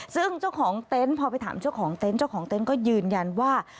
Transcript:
ซึ่งเจ้าของเต็นต์พอไปถามเจ้าของเต็นต์เจ้าของเต็นต์ก็ยืนยันว่า